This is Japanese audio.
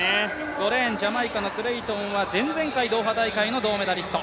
５レーン、ジャマイカのクレイトンは前回ドーハ大会のメダリスト。